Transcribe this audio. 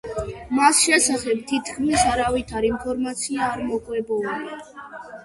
მას შესახებ თითქმის არავითარი ინფორმაცია არ მოგვეპოვება.